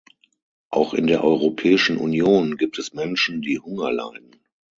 Auch in der Europäischen Union gibt es Menschen, die Hunger leiden.